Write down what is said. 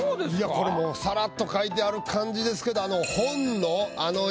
これもさらっと描いてはる感じですけど。